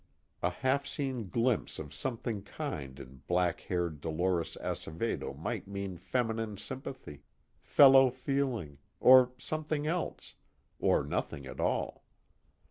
A half seen glimpse of something kind in black haired Dolores Acevedo might mean feminine sympathy, fellow feeling or something else, or nothing at all.